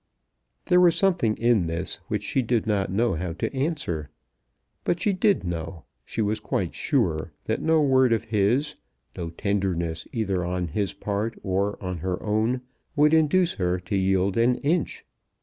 There was something in this which she did not know how to answer; but she did know, she was quite sure, that no word of his, no tenderness either on his part or on her own, would induce her to yield an inch.